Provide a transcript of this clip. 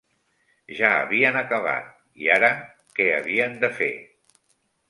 Ja havien acabat, i ara, què havien de fer?